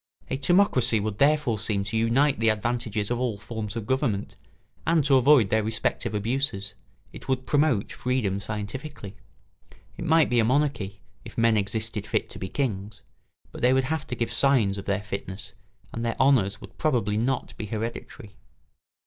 A timocracy would therefore seem to unite the advantages of all forms of government and to avoid their respective abuses. It would promote freedom scientifically. It might be a monarchy, if men existed fit to be kings; but they would have to give signs of their fitness and their honours would probably not be hereditary.